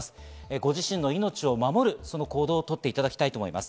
ご自身の命を守る、その行動を取っていただきたいと思います。